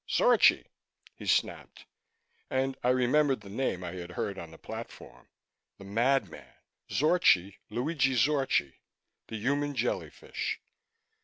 "Zorchi!" he snapped. And I remembered the name I had heard on the platform. The mad man! Zorchi, Luigi Zorchi, the human jellyfish.